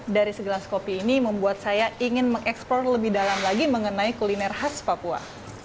dari segelas kopi ini membuat saya ingin mengeksplor lebih dalam lagi mengenai kuliner khas papua